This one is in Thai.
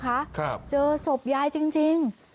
ครับเจอศพยายจริง